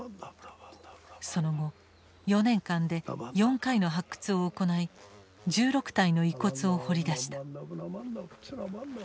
その後４年間で４回の発掘を行い１６体の遺骨を掘り出した。